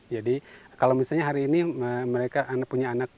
kalau misalnya hari ini mereka punya anak